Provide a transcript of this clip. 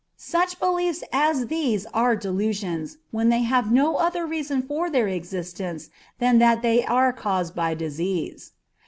Such beliefs as these are delusions, when they have no other reason for their existence than that they are caused by disease.